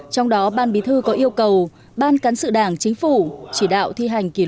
trong đó ban bí thư có yêu cầu ban cán sự đảng chính phủ chỉ đạo thi hành kỷ luật